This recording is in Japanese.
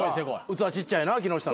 器ちっちゃいな木下。